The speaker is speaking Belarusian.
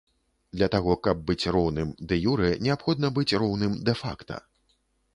Для таго, каб быць роўным дэ-юрэ, неабходна быць роўным дэ-факта.